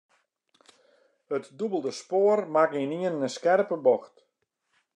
It dûbelde spoar makke ynienen in skerpe bocht.